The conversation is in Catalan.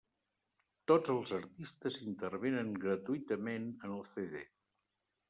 Tots els artistes intervenen gratuïtament en el CD.